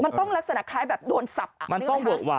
มันต้องลักษณะคล้ายแบบโดนซับมั้ยคะ